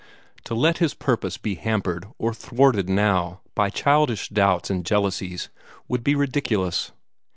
To let his purpose be hampered or thwarted now by childish doubts and jealousies would be ridiculous.